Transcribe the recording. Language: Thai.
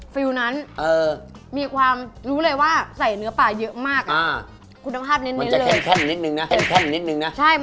ฟิวนั้นเออมีความรู้เลยว่าใส่เนื้อปลาเยอะมากอ่าคุณภาพเน้นเน้นเลย